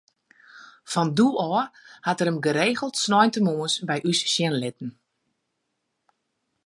Fan doe ôf oan hat er him geregeld sneontemoarns by ús sjen litten.